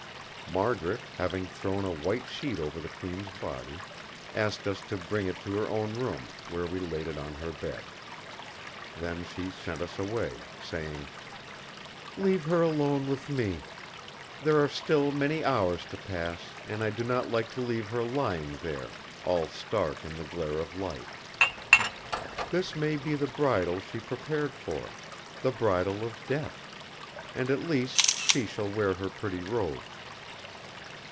Margaret, having thrown a white sheet over the Queen's body, asked us to bring it to her own room, where we laid it on her bed. Then she sent us away, saying: "Leave her alone with me. There are still many hours to pass, and I do not like to leave her lying there, all stark in the glare of light. This may be the Bridal she prepared for—the Bridal of Death; and at least she shall wear her pretty robes."